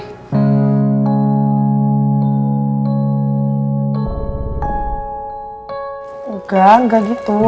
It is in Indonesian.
tapi karena kamu gak suka sama om roy